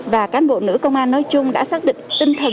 và cán bộ nữ công an nói chung đã xác định